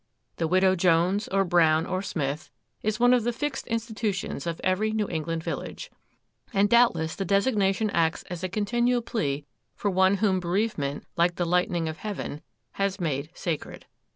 The Widow Jones, or Brown, or Smith, is one of the fixed institutions of every New England village,—and doubtless the designation acts as a continual plea for one whom bereavement, like the lightning of heaven, has made sacred.